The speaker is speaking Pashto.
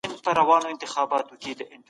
په ادبي ژانرونو باندې پراخ کار کیږي.